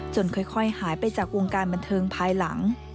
ค่อยหายไปจากวงการบันเทิงภายหลัง